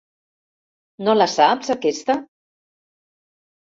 No la saps, aquesta?